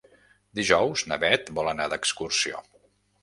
Dijous na Beth vol anar d'excursió.